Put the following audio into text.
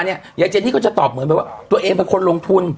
ยายเจนี่ก็จะตอบเหมือนแบบว่าตัวเองเป็นคนลงทุน